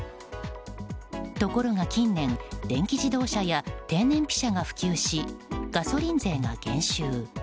ところが近年電気自動車や低燃費車が普及しガソリン税が減収。